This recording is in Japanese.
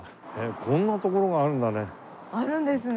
こんな所があるんだね。